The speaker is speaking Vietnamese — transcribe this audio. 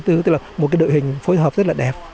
tức là một cái đội hình phối hợp rất là đẹp